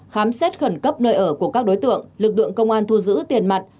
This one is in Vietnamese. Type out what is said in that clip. khám xét khẩn cấp nơi ở của các đối tượng lực lượng công an thu giữ tiền mặt